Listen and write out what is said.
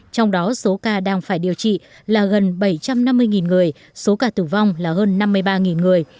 trong đó số ca đang phải điều trị là gần bảy trăm năm mươi người số ca tử vong là hơn năm mươi ba người